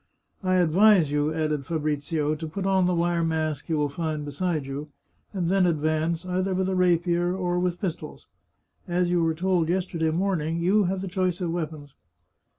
" I advise you," added Fabrizio, " to put on the wire mask you will find beside you, and then advance either with a rapier or with pistols. As you were told yesterday morn ing, you have the choice of weapons."